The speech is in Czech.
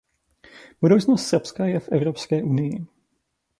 Budoucnost Srbska je v Evropské unii.